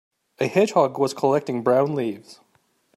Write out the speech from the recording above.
A hedgehog was collecting brown leaves.